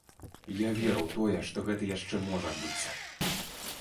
Я веру ў тое, што гэта яшчэ можа адбыцца.